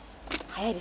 はい。